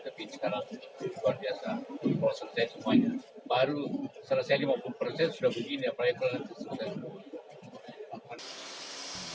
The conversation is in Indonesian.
tapi sekarang sudah luar biasa kalau selesai semuanya baru selesai lima puluh persen sudah begini apalagi kalau nanti selesai